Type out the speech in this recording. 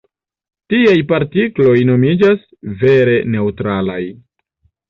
Tiaj partikloj nomiĝas "vere neŭtralaj".